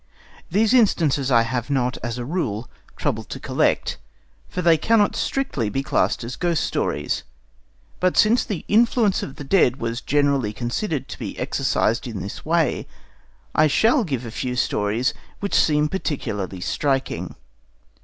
These instances I have not, as a rule, troubled to collect, for they cannot strictly be classed as ghost stories; but since the influence of the dead was generally considered to be exercised in this way, I shall give a few stories which seem particularly striking.